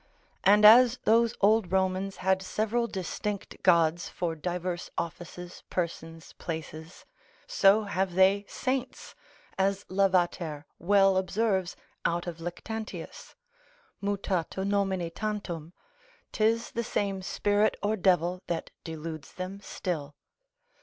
And as those old Romans had several distinct gods, for divers offices, persons, places, so have they saints, as Lavater well observes out of Lactantius, mutato nomine tantum, 'tis the same spirit or devil that deludes them still.